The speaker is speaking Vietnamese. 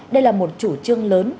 đây là một chủ trương lớn